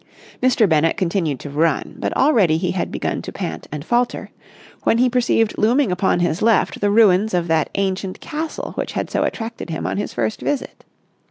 Mr. Bennett continued to run; but already he had begun to pant and falter, when he perceived looming upon his left the ruins of that ancient castle which had so attracted him on his first visit.